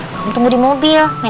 kamu tunggu di mobil main boneka aja ya